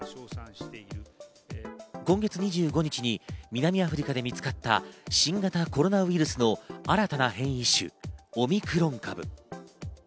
今月２５日に南アフリカで見つかった新型コロナウイルスの新たな変異種、オミクロン株。